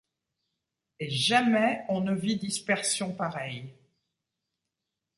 Et jamais on ne vit dispersion pareille